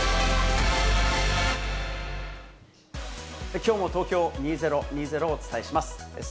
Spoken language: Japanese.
きょうもＴＯＫＹＯ２０２０をお伝えします。